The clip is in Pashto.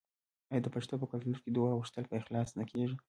آیا د پښتنو په کلتور کې د دعا غوښتل په اخلاص نه کیږي؟